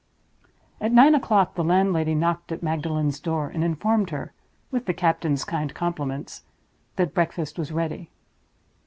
At nine o'clock the landlady knocked at Magdalen's door, and informed her (with the captain's kind compliments) that breakfast was ready.